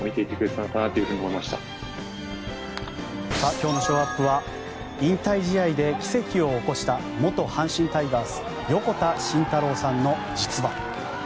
今日のショーアップは引退試合で奇跡を起こした元阪神タイガース横田慎太郎さんの実話。